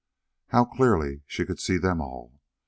How clearly she could see them all!